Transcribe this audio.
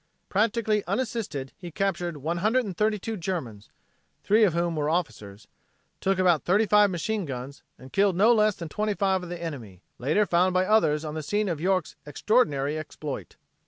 Practically unassisted, he captured 132 Germans (three of whom were officers), took about 35 machine guns and killed no less than 25 of the enemy, later found by others on the scene of York's extraordinary exploit.